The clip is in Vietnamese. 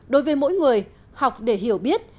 đối với mỗi người học để hiểu biết